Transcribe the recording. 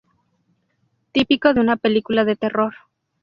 Típico de una película de terror.